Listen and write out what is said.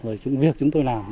rồi việc chúng tôi làm